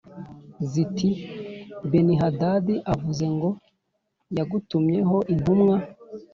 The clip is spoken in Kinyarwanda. ziti “Benihadadi avuze ngo yagutumyeho intumwa